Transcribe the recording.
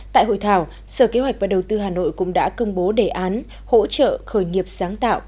tại hội thảo sở kế hoạch và đầu tư hà nội cũng đã công bố đề án hỗ trợ khởi nghiệp sáng tạo